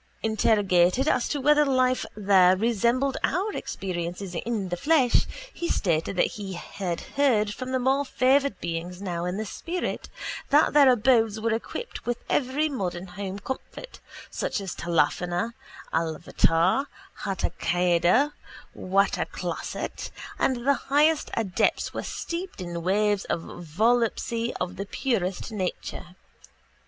Interrogated as to whether life there resembled our experience in the flesh he stated that he had heard from more favoured beings now in the spirit that their abodes were equipped with every modern home comfort such as tālāfānā, ālāvātār, hātākāldā, wātāklāsāt and that the highest adepts were steeped in waves of volupcy of the very purest nature.